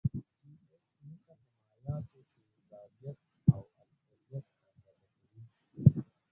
پي ایچ متر د مایعاتو تیزابیت او القلیت اندازه کوي.